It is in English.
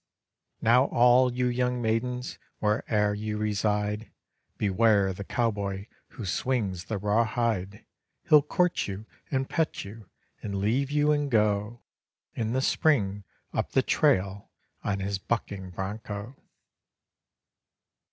Now all you young maidens, where'er you reside, Beware of the cowboy who swings the raw hide; He'll court you and pet you and leave you and go In the spring up the trail on his bucking broncho.